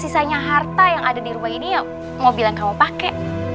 sisanya harta yang ada di rumah ini ya mobil yang kamu pakai